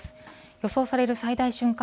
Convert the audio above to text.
予想される最大瞬間